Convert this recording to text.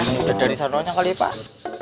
ini udah dari sana aja kali ya pak